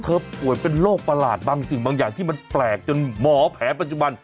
ป่วยเป็นโรคประหลาดบางสิ่งบางอย่างที่มันแปลกจนหมอแผลปัจจุบัน